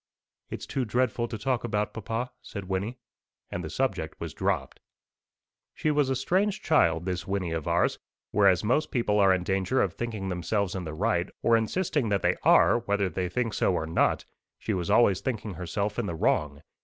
"It's too dreadful to talk about, papa," said Wynnie; and the subject was dropped. She was a strange child, this Wynnie of ours. Whereas most people are in danger of thinking themselves in the right, or insisting that they are whether they think so or not, she was always thinking herself in the wrong.